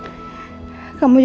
masih ada yang nunggu